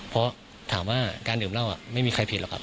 เพราะถามว่าการดื่มเหล้าไม่มีใครผิดหรอกครับ